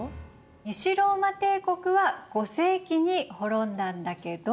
西ローマ帝国は５世紀に滅んだんだけど。